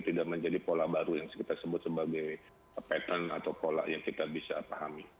tidak menjadi pola baru yang kita sebut sebagai pattern atau pola yang kita bisa pahami